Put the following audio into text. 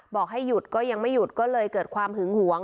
บอกให้หยุดก็ยังไม่หยุดก็เลยเกิดความหึงหวง